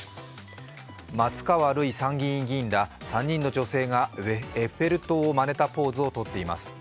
松川るい参議院議員ら３人の女性がエッフェル塔をまねたポーズをとっています。